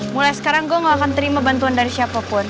mulai sekarang gue gak akan terima bantuan dari siapapun